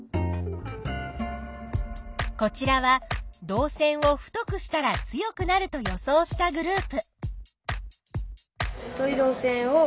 こちらは導線を太くしたら強くなると予想したグループ。